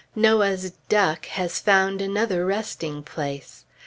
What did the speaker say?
Noah's duck has found another resting place!